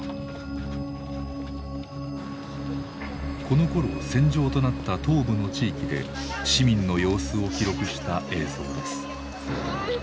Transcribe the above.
このころ戦場となった東部の地域で市民の様子を記録した映像です。